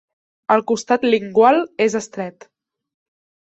El costat lingual és estret.